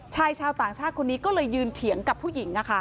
ชายชาวต่างชาติคนนี้ก็เลยยืนเถียงกับผู้หญิง